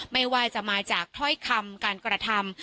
ไม่ว่าจะมาจากถ้อยคำการกระทำ